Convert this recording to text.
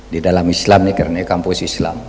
di dalam islam ini karena kampus islam